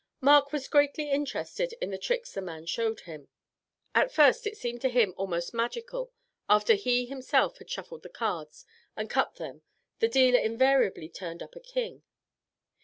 Mark was greatly interested in the tricks the man showed him. At first it seemed to him almost magical, after he himself had shuffled the cards and cut them the dealer invariably turned up a king.